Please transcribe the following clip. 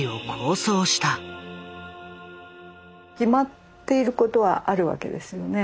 決まっていることはあるわけですよね。